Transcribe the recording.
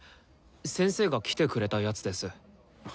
先生が来てくれたやつです。